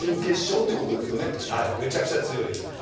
めちゃくちゃ強いですから。